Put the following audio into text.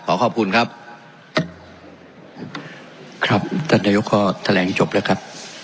ขอขอบคุณครับครับท่านนายกก็แถลงจบแล้วครับ